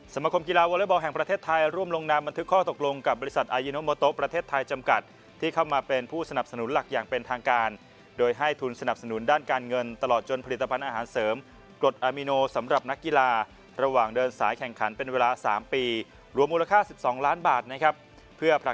สมคมกีฬาวอเล็กบอลแห่งประเทศไทยร่วมลงนามบันทึกข้อตกลงกับบริษัทอายิโนโมโตประเทศไทยจำกัดที่เข้ามาเป็นผู้สนับสนุนหลักอย่างเป็นทางการโดยให้ทุนสนับสนุนด้านการเงินตลอดจนผลิตภัณฑ์อาหารเสริมกรดอามิโนสำหรับนักกีฬาระหว่างเดินสายแข่งขันเป็นเวลา๓ปีรวมมูลค่า๑๒ล้านบาทนะครับเพื่อประ